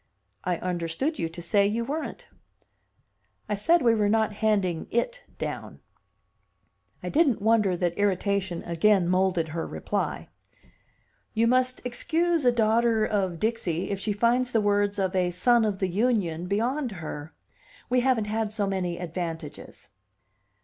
"I understood you to say you weren't." "I said we were not handing 'it' down." I didn't wonder that irritation again moulded her reply. "You must excuse a daughter of Dixie if she finds the words of a son of the Union beyond her. We haven't had so many advantages."